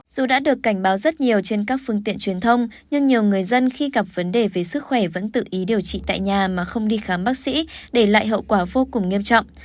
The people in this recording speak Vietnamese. dù đã được cảnh báo rất nhiều trên các phương tiện truyền thông nhưng nhiều người dân khi gặp vấn đề về sức khỏe vẫn tự ý điều trị tại nhà mà không đi khám bác sĩ để lại hậu quả vô cùng nghiêm trọng